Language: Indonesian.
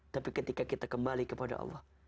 tapi ketika kita kembali kepada allah